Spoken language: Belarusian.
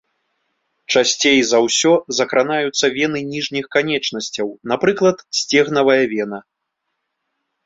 Часцей за ўсё закранаюцца вены ніжніх канечнасцяў, напрыклад, сцегнавая вена.